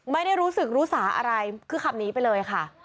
ไม่ได้รู้สึกรู้สาอะไรคือขับหนีไปเลยค่ะ